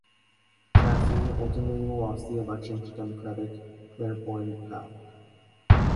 Chafee ultimately lost the election to Democrat Claiborne Pell.